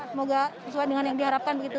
semoga sesuai dengan yang diharapkan begitu